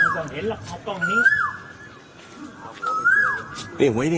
ก็แล้วที่ฝ่ายด้วย